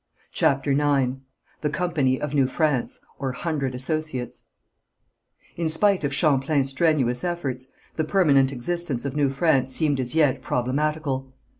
CHAPTER IX THE COMPANY OF NEW FRANCE OR HUNDRED ASSOCIATES In spite of Champlain's strenuous efforts, the permanent existence of New France seemed as yet problematical.